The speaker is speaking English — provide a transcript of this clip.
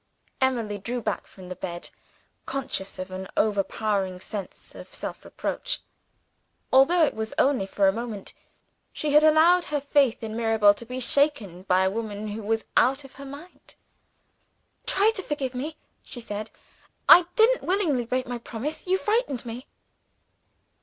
Emily drew back from the bed, conscious of an overpowering sense of self reproach. Although it was only for a moment, she had allowed her faith in Mirabel to be shaken by a woman who was out of her mind. "Try to forgive me," she said. "I didn't willfully break my promise; you frightened me."